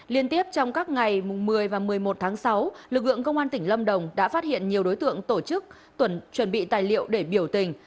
liên tiếp trong các ngày một mươi và một mươi một tháng sáu lực lượng công an tỉnh lâm đồng đã phát hiện nhiều đối tượng tổ chức chuẩn bị tài liệu để biểu tình